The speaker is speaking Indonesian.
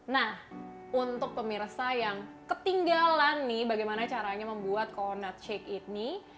nah untuk pemirsa yang ketinggalan nih bagaimana caranya membuat cornat shake ini